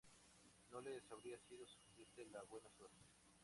No les habría sido suficiente la buena suerte.